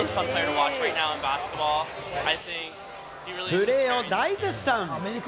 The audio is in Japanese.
プレーを大絶賛。